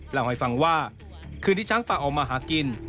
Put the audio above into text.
เล่าให้ฟังว่าคืนที่ช้างป่าออกมาหากิน